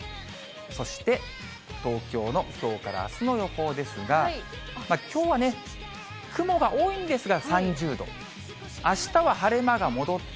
そして東京のきょうからあすの予報ですが、きょうはね、雲が多いんですが、３０度、あしたは晴れ間が戻って。